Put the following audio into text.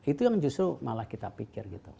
itu yang justru malah kita pikir gitu